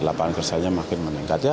lapangan kerjanya makin meningkat